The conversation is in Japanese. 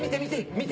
見て！